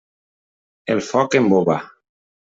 El foc embova.